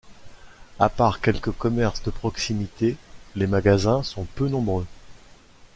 À part quelques commerces de proximité, les magasins sont peu nombreux.